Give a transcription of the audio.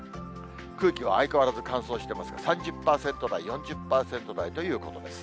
空気は相変わらず乾燥してますから、３０％台、４０％台ということです。